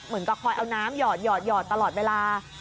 เหมือนก็คอยเอาน้ำหยอดตลอดเวลา